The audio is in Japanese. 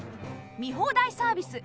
見放題サービス